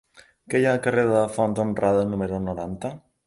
Què hi ha al carrer de la Font Honrada número noranta?